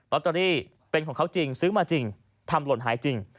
ตเตอรี่เป็นของเขาจริงซื้อมาจริงทำหล่นหายจริง